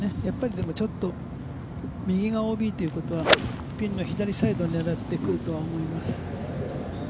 でも、ちょっと右がＯＢということはピンの左サイドを狙ってくると思います。